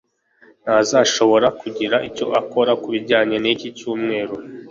ntazashobora kugira icyo akora kubijyanye niki cyumweru.